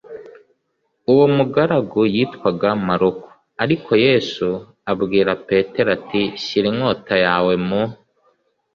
uwo mugaragu yitwaga maluko ariko yesu abwira petero ati shyira inkota yawe mu